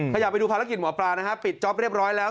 อยากไปดูภารกิจหมอปลานะฮะปิดจ๊อปเรียบร้อยแล้ว